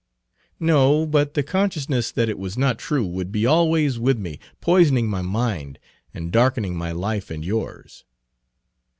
"No; but the consciousness that it was not true would be always with me, poisoning my mind, and darkening my life and yours."